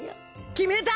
決めた！